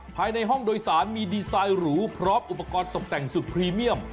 ภายในห้องโดยสารมีดีไซน์หรูพร้อมอุปกรณ์ตกแต่งสุดพรีเมียม